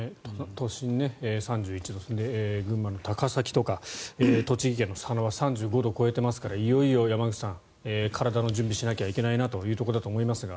都心、３１度群馬の高崎とか栃木県の佐野は３５度を超えていますからいよいよ山口さん体の準備しなきゃいけないなというところだと思いますが。